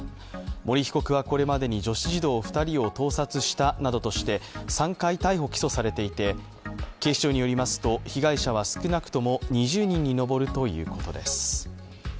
森被告はこれまでに女子児童２人を盗撮したなどとして３回逮捕・起訴されていて、警視庁によりますと、被害者は少なくとも２０人に上るということです